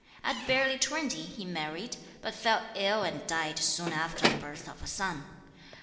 At barely twenty, he married, but fell ill and died soon after the birth of a son.